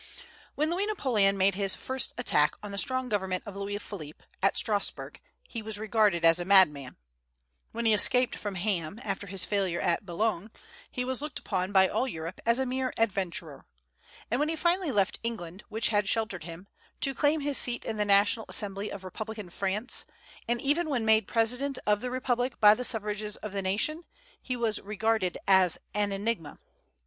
When Louis Napoleon made his first attack on the strong government of Louis Philippe, at Strasburg, he was regarded as a madman; when he escaped from Ham, after his failure at Boulogne, he was looked upon by all Europe as a mere adventurer; and when he finally left England, which had sheltered him, to claim his seat in the National Assembly of republican France, and even when made President of the republic by the suffrages of the nation, he was regarded as an enigma.